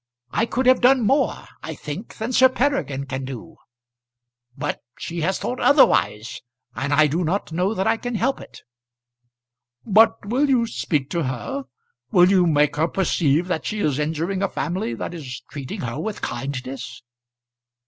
I could have done more, I think, than Sir Peregrine can do. But she has thought otherwise, and I do not know that I can help it." "But will you speak to her? Will make her perceive that she is injuring a family that is treating her with kindness?"